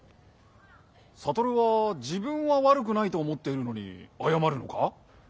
悟は自分はわるくないと思っているのにあやまるのか？